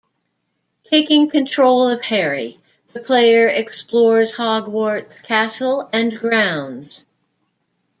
Taking control of Harry, the player explores Hogwarts castle and grounds.